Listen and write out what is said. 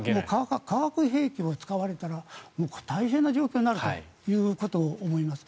化学兵器を使われたら大変な状況になると思います。